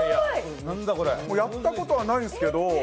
やったことはないんですけど